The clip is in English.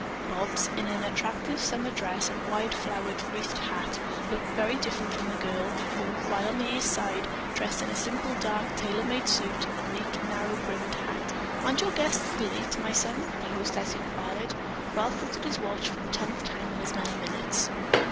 Bobs, in an attractive summer dress and wide flower wreathed hat, looked very different from the girl who, while on the East Side, dressed in a simple dark tailor made suit and a neat, narrow brimmed hat. "Aren't your guests late, my son?" the hostess inquired. Ralph looked at his watch for the tenth time in as many minutes.